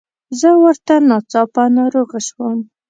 زه ورته ناڅاپه ناروغه شوم.